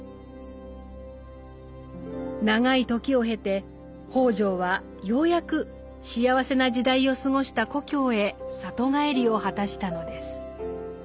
長い時を経て北條はようやく幸せな時代を過ごした故郷へ里帰りを果たしたのです。